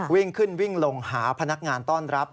วิ่งขึ้นวิ่งลงหาพนักงานต้อนรับ